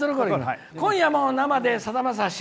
「今夜も生でさだまさし